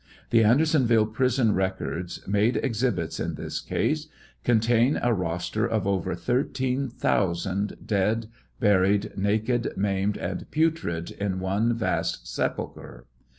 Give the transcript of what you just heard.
The Andersonville prison records (made exhibits in this case) contain a roster of over thirteen thousand (13,000) dead, buried naked, maimed, and putrid, in one vast sepulchre.